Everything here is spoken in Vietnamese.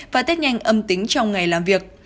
và test nhanh âm tính trong ngày làm việc